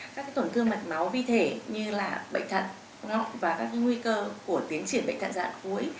các tổn thương mạch máu vi thể như là bệnh thận ngọng và các nguy cơ của tiến triển bệnh thận dạng hũi